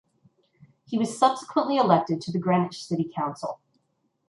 He was subsequently elected to the Greenwich City Council.